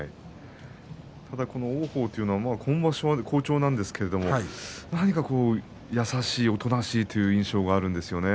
ただ王鵬というのは今場所、好調なんですけども何か優しいおとなしいという印象があるんですよね。